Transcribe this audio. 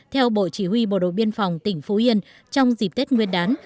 theo bộ chỉ huy bộ đội biên phòng tỉnh phú yên trong dịp tết nguyên đán